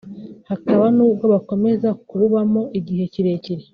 hakaba nubwo bakomeza kububamo igihe kirekire